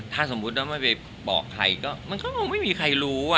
ถ้าสมมุติว่าไม่ไปบอกใครก็มันก็คงไม่มีใครรู้